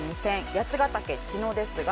八ヶ岳茅野ですが。